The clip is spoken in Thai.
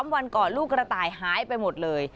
วันก่อนลูกกระต่ายหายไปหมดเลย